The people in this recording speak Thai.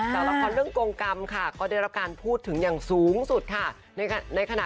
ละครเรื่องกงกรรมค่ะก็ได้รับการพูดถึงอย่างสูงสุดค่ะ